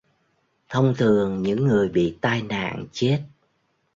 Thông thường những người bị tai nạn chết